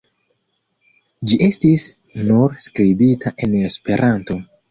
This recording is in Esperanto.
Ĝi estis nur skribita en Esperanto.